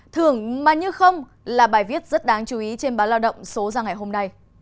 thường mà như không là bài viết rất đáng chú ý trên báo lao động số ra ngày hôm nay